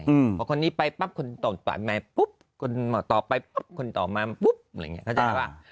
บอกว่าคนนี้ไปปั๊บคุณต่อมาปุ๊บคุณหมอตอไปปุ๊บคุณต่อมาปุ๊บอะไรอย่างนี้เข้าใจป่ะ